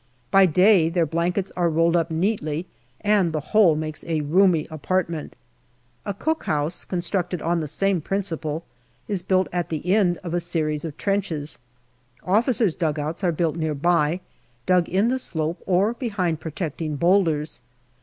By day their blankets are rolled up neatly, and the whole makes a roomy apartment. A cookhouse constructed on the same principle is built at the end of a series of trenches. Officers' dugouts are built near by, dug in the slope or behind protecting boulders.